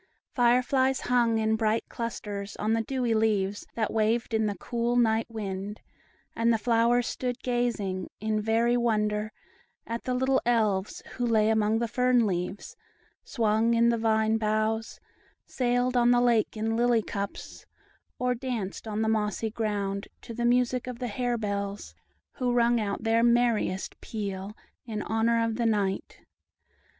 Fire flies hung in bright clusters on the dewy leaves, that waved in the cool night wind; and the flowers stood gazing, in very wonder, at the little Elves, who lay among the fern leaves, swung in the vine boughs, sailed on the lake in lily cups, or danced on the mossy ground, to the music of the hare bells, who rung out their merriest peal in honor of the night.